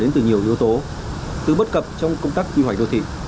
từ nhiều yếu tố từ bất cập trong công tác đi hoạch đô thị